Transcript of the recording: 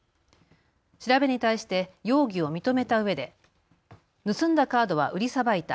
調べに対して容疑を認めたうえで盗んだカードは売りさばいた。